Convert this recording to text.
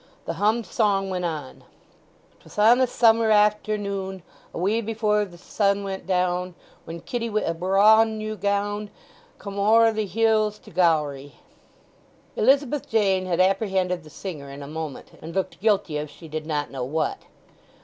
The hummed song went on— "'Tw—s on a s—m—r aftern—n, A wee be—re the s—n w—nt d—n, When Kitty wi' a braw n—w g—wn C—me ow're the h—lls to Gowrie." Elizabeth Jane had apprehended the singer in a moment, and looked guilty of she did not know what.